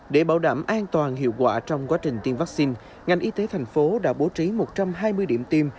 để bảo đảm an toàn hiệu quả trong quá trình tiêm vaccine ngành y tế thành phố đã bố trí một trăm hai mươi điểm tiêm